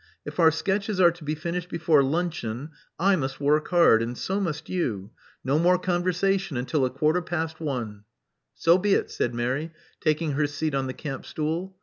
If our sketches are to be finished before luncheon, I must work hard; and so must you. No more conversation until a quarter past one." "So be it," said Mary, taking her seat on the campstool.